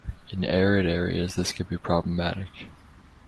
In arid areas this can be problematic.